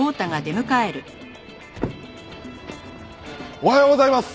おはようございます！